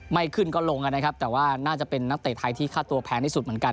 ไม่ขึ้นก็ลงกันนะครับแต่ว่าน่าจะเป็นนักเตะไทยที่ค่าตัวแพงที่สุดเหมือนกัน